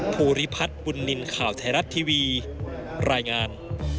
ภูริพัฒน์บุญนินทร์ข่าวไทยรัฐทีวีรายงาน